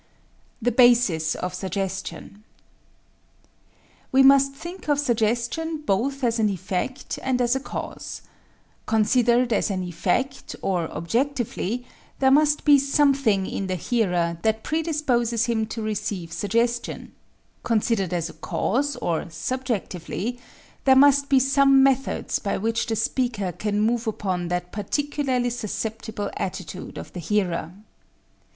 The Basis of Suggestion We must think of suggestion both as an effect and as a cause. Considered as an effect, or objectively, there must be something in the hearer that predisposes him to receive suggestion; considered as a cause, or subjectively, there must be some methods by which the speaker can move upon that particularly susceptible attitude of the hearer.